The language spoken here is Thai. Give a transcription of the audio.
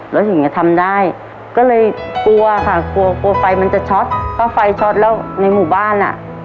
แล้วถึงจะทำได้ก็เลยกลัวค่ะกลัวกลัวไฟมันจะช็อตเพราะไฟช็อตแล้วในหมู่บ้านอ่ะ